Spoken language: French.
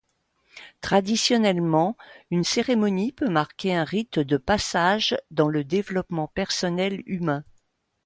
Traditionnellement, une cérémonie peut marquer un rite de passage dans le développement personnel humain.